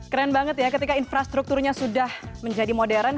keren banget ya ketika infrastrukturnya sudah menjadi modern